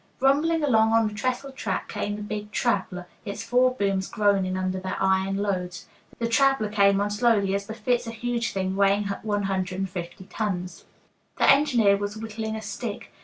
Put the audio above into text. Rumbling along on the trestle track came the big "traveler," its four booms groaning under their iron loads. The "traveler" came on slowly, as befits a huge thing weighing one hundred and fifty tons. The engineer was whittling a stick.